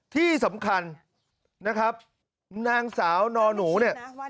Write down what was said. ที่สำคัญนะครับนางสาวนอหนูเนี่ย